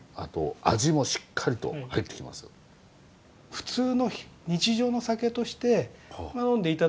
普通の日常の酒として呑んでいただけたら。